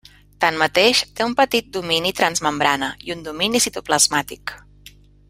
Tanmateix, té un petit domini transmembrana i un domini citoplasmàtic.